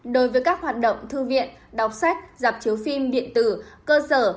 đối với các hoạt động thư viện đọc sách giảm chiếu phim điện tử cơ sở